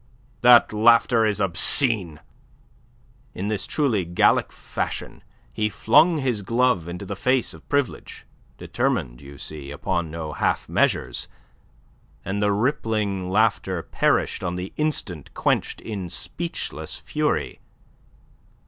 "That laughter is obscene!" In this truly Gallic fashion he flung his glove into the face of Privilege, determined, you see, upon no half measures; and the rippling laughter perished on the instant quenched in speechless fury.